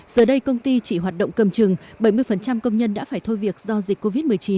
giờ đây công ty chỉ hoạt động cầm trừng bảy mươi công nhân đã phải thôi việc do dịch covid một mươi chín